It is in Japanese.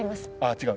違う。